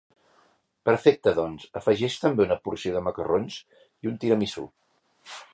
Perfecte doncs afegeix també una porció de macarrons, i un tiramisú.